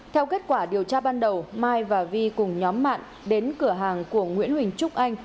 theo kết quả điều tra ban đầu mai và vi cùng nhóm bạn đến cửa hàng của nguyễn huỳnh trúc anh